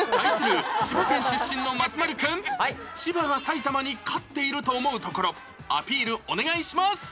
千葉県出身の松丸君、千葉が埼玉に勝っていると思うところ、アピールお願いします。